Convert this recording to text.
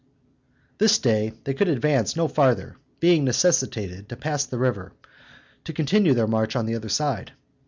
This day they could advance no farther, being necessitated to pass the river, to continue their march on the other side.